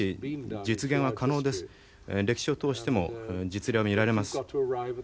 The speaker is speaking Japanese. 歴史を通しても実例は見られます。